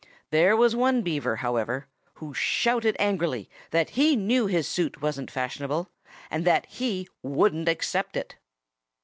There was one Beaver, however, who shouted angrily that he knew his suit wasn't fashionable and that he wouldn't accept it.